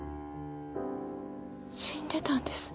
死んでたんです。